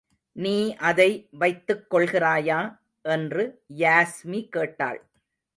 நீ அதை வைத்துக் கொள்கிறாயா? என்று யாஸ்மி கேட்டாள்.